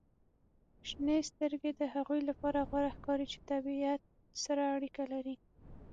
• شنې سترګې د هغوی لپاره غوره ښکاري چې د طبیعت سره اړیکه لري.